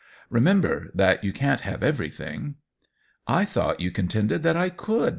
Re member that you can't have everything." " I thought you contended that I could !"